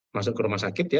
masuk ke rumah sakit ya